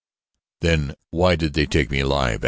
"Then why did they take me alive?"